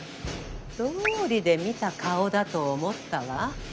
どうりで見た顔だと思ったわ。